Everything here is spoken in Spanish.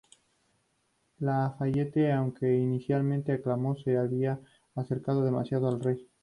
La Fayette, aunque inicialmente aclamado, se había acercado demasiado al rey.